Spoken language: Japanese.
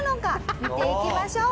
見ていきましょう。